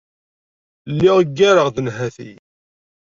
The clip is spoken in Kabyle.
Lliɣ ggareɣ-d nnhati.